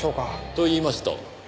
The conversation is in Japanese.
と言いますと？